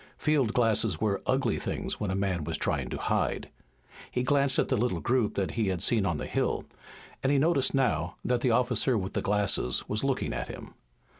Field glasses were ugly things when a man was trying to hide. He glanced at the little group that he had seen on the hill, and he noticed now that the officer with the glasses was looking at him.